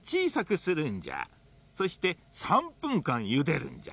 そして３ぷんかんゆでるんじゃ。